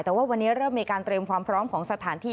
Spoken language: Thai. แต่ว่าวันนี้เริ่มมีการเตรียมความพร้อมของสถานที่